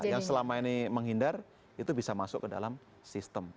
yang selama ini menghindar itu bisa masuk ke dalam sistem